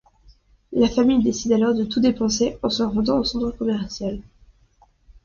La famille décide alors de tout dépenser en se rendant au centre commercial.